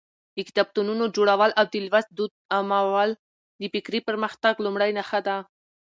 د کتابتونونو جوړول او د لوست دود عامول د فکري پرمختګ لومړۍ نښه ده.